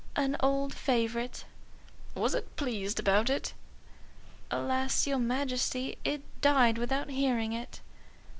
"An old favourite." "Was it pleased about it?" "Alas, your Majesty, it died without hearing it."